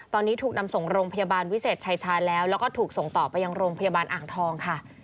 ตอนนี้ถูกนำส่งโรงพยาบาลวิเศษชายชาญแล้วแล้วก็ถูกส่งต่อไปยังโรงพยาบาลอ่างทองค่ะ